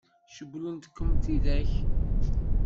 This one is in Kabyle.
Cewwlent-kem tidak?